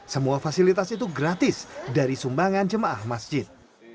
semua fasilitas itu gratis dari sumbangan jemaah masjid